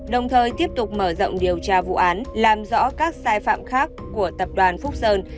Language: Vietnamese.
đồng thời tiếp tục mở rộng điều tra vụ án làm rõ các sai phạm khác của tập đoàn phúc sơn